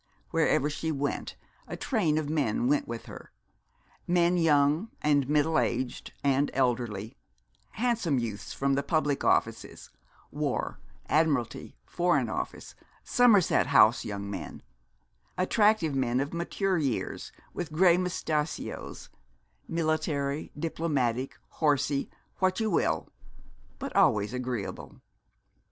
Wherever she went, a train of men went with her; men young and middle aged and elderly; handsome youths from the public offices; War, Admiralty, Foreign Office, Somerset House young men; attractive men of mature years, with grey moustachios, military, diplomatic, horsey, what you will, but always agreeable.